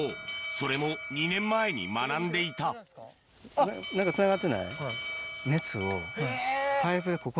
それも２年前に学んでいた何かつながってない？